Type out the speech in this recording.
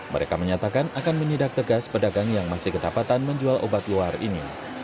mereka menyatakan akan menyidak tegas pedagang yang masih ketapatan menjual obat luar ini